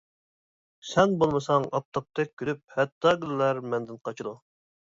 سەن بولمىساڭ ئاپتاپتەك كۈلۈپ، ھەتتا گۈللەر مەندىن قاچىدۇ.